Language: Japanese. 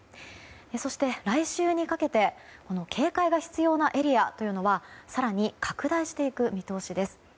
そして、来週にかけて警戒が必要なエリアというのは更に拡大していく見通しです。